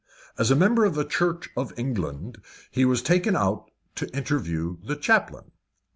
As a member of the Church of England he was taken out to interview the chaplain.